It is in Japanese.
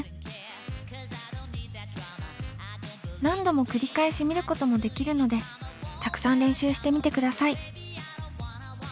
何度も繰り返し見ることもできるのでたくさん練習してみてください。